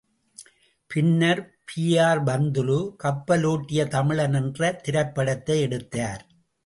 பின்னர் பி.ஆர்.பந்துலு கப்பலோட்டிய தமிழன் என்ற திரைப்படத்தை எடுத்தார்.